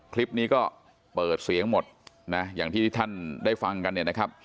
คลิปนี้ก็เปิดเสียงหมดนะอย่างที่ท่านได้ฟังกันเนี่ยนะครับ